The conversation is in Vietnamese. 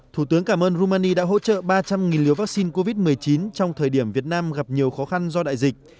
thủ tướng cảm ơn romani đã hỗ trợ ba trăm linh liều vaccine covid một mươi chín trong thời điểm việt nam gặp nhiều khó khăn do đại dịch